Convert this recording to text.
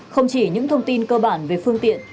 không chỉ những thông tin cơ bản về phương tiện